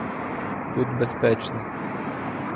Тут безпечно.